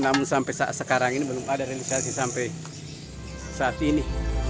namun sampai saat sekarang ini belum ada realisasi sampai saat ini